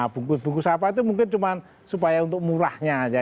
bungkus bungkus apa itu mungkin cuma supaya untuk murahnya aja